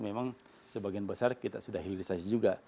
memang sebagian besar kita sudah hilirisasi juga